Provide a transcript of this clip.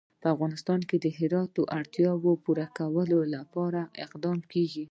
په افغانستان کې د هرات د اړتیاوو پوره کولو لپاره اقدامات کېږي.